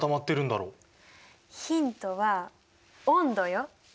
ヒントは温度よ！